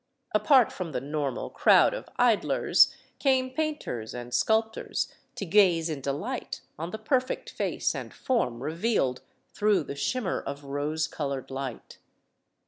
Apart from the normal crowd of idlers, came painters and sculptors to gaze in delight on the perfect face and form revealed through the shimmer of rose colored light.